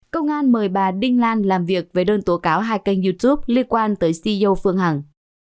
công an mời bà đinh lan làm việc với đơn tố cáo hai kênh youtube liên quan tới ceo phương hằng